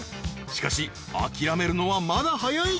［しかし諦めるのはまだ早い］